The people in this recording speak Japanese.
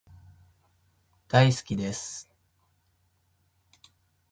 大好きです